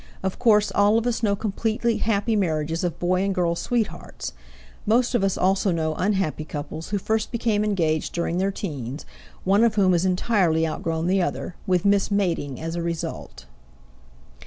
Of course all of us know completely happy marriages of boy and girl sweethearts; most of us also know unhappy couples who first became engaged during their teens, one of whom has entirely outgrown the other, with mismating as a result.